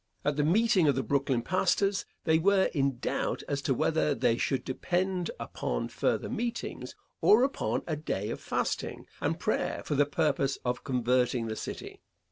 At the meeting of the Brooklyn pastors they were in doubt as to whether they should depend upon further meetings, or upon a day of fasting and prayer for the purpose of converting the city.